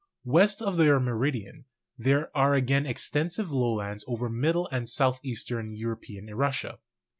West of their meridian there are again extensive lowlands over middle and southern European Russia.